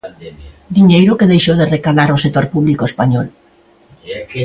Diñeiro que deixou de recadar o sector público español.